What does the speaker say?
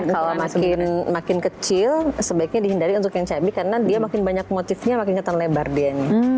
kalau makin kecil sebaiknya dihindari untuk yang cabai karena dia makin banyak motifnya makin ketan lebar deh